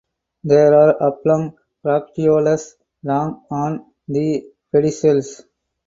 There are oblong bracteoles long on the pedicels.